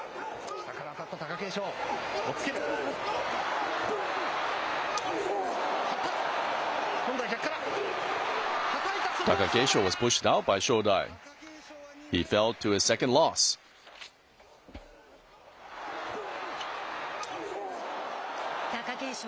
下から当たった貴景勝。